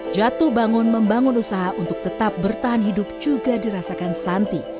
jatuh bangun membangun usaha untuk tetap bertahan hidup juga dirasakan santi